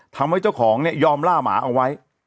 ทำให้เจ้าของเนี่ยยอมล่าหมาเอาไว้